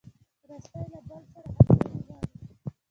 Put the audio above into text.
رسۍ له بل سره همکاري غواړي.